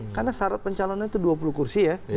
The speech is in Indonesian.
karena syarat pencalonan itu dua puluh kursi ya